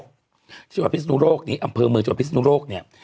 ที่จังหวัดพิศนุโลกนี้อำเภอเมืองจังหวัดพิศนุโลกเนี่ย